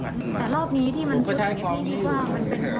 แต่รอบนี้ที่มันซึ่งอย่างนี้คิดว่ามันเป็นรอย